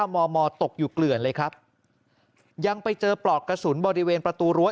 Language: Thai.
มมตกอยู่เกลือนเลยครับยังไปเจอปลอกกระสุนบริเวณประตูรั้ว